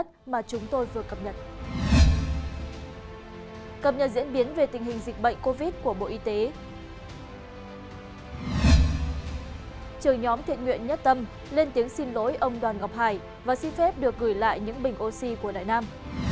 trường nhóm thiện nguyện nhất tâm lên tiếng xin lỗi ông đoàn ngọc hải và xin phép được gửi lại những bình oxy của đại nam